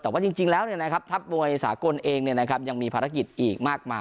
แต่ว่าจริงแล้วเนี่ยนะครับทัพมมวยสากลเองเนี่ยนะครับยังมีภารกิจอีกมากมาก